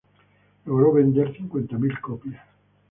Logró vender cincuenta mil copias.